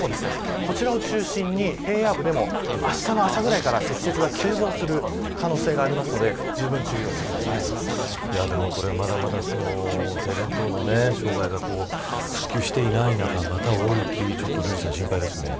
こちらを中心に平野部でもあしたの朝ぐらいから積雪が急増する可能性があるのでこれは、まだまだ停電などの障害が復旧していない中で大雪少し心配ですね。